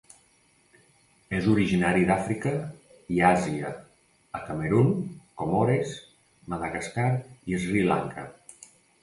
És originari d'Àfrica i Àsia a Camerun, Comores, Madagascar i Sri Lanka.